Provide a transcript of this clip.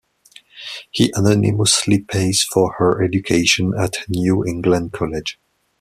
He anonymously pays for her education at a New England college.